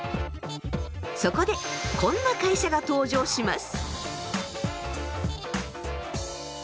そこでこんな会社が登場します。